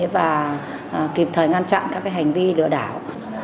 và kịp thời ngăn chặn các hành vi lừa đảo